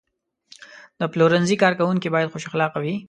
د پلورنځي کارکوونکي باید خوش اخلاقه وي.